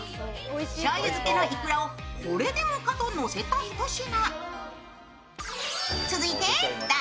しょうゆ漬けのイクラをこれでもかとのせた一品。